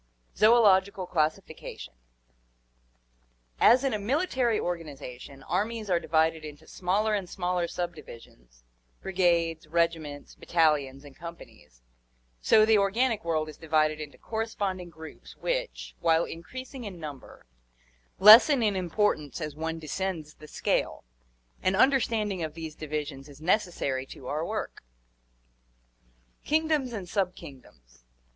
ZOOLOGICAL CLASSIFICATION As in a military organization armies are divided into smaller and smaller subdivisions — brigades, regiments, battalions, and companies — so the organic world is divided into corresponding groups which, while increasing in number, lessen in importance as one descends the scale. An understanding of these divisions is necessary to our work. Kingdoms and Subkingdoms.